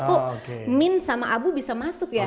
kok min sama abu bisa masuk ya